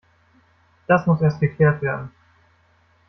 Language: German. Das muss erst geklärt werden.